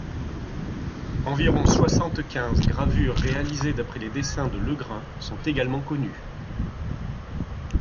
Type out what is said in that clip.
Environ soixante-quinze gravures réalisées d’après les dessins de Le Grain sont également connues.